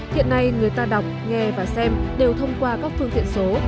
hiện nay người ta đọc nghe và xem đều thông qua các phương tiện số